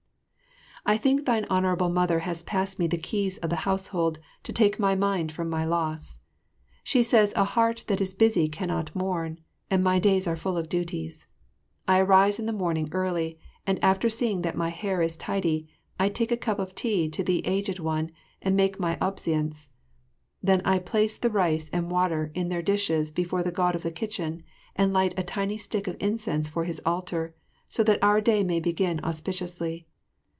I think thine Honourable Mother has passed me the keys of the household to take my mind from my loss. She says a heart that is busy cannot mourn, and my days are full of duties. I arise in the morning early, and after seeing that my hair is tidy, I take a cup of tea to the Aged One and make my obeisance; then I place the rice and water in their dishes before the God of the Kitchen, and light a tiny stick of incense for his altar, so that our day may begin auspiciously.